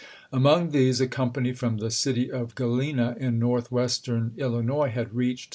Among these, a company from the city of Galena, in northwestern Illinois, had reached 1861.